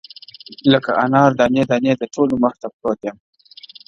لکه انار دانې، دانې د ټولو مخته پروت يم.